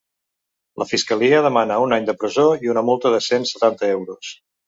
La fiscalia demana un any de presó i una multa de cent setanta euros.